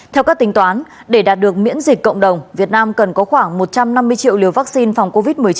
theo các tính toán để đạt được miễn dịch cộng đồng việt nam cần có khoảng một trăm năm mươi triệu liều vaccine phòng covid một mươi chín